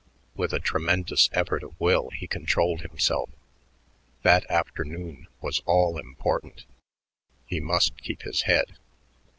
With a tremendous effort of will he controlled himself. That afternoon was all important; he must keep his head.